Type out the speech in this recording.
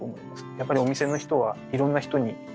やっぱりお店の人はいろんな人に声をかける。